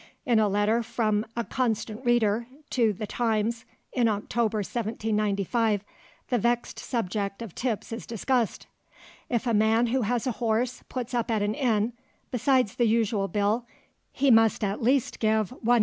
In a letter from a "Constant Reader" to The Times in October 1795, the vexed subject of tips is discussed— "If a man who has a horse, puts up at an inn, besides the usual bill, he must at least give 1s.